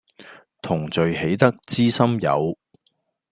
同聚喜得知心友